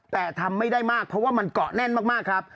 แต่ทำไม่ได้มากเพราะว่ามันเกาะแน่นมากครับ